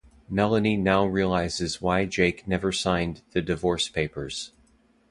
Melanie now realizes why Jake never signed the divorce papers.